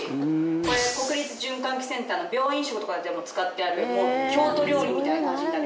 これ国立循環器センターの病院食とかでも使ってある郷土料理みたいな味になる。